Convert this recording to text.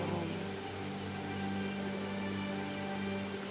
kamu mau gak bantuin aku supaya bisa melulukan hatinya emak